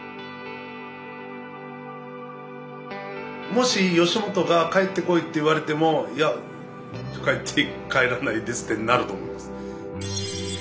もし吉本が「帰ってこい」って言われても「いや」とか言って「帰らないです」ってなると思うんです。